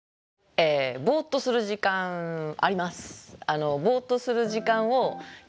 えぼーっとする時間あります。